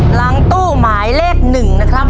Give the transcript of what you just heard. หลังตู้หมายเลข๑นะครับ